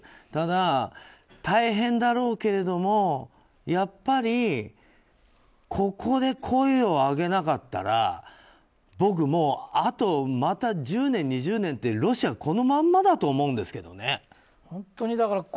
ただ、大変だろうけれどもやっぱりここで声をあげなかったら僕、もうあと、また１０年２０年ってロシア、このまんまだと思うんですけどね。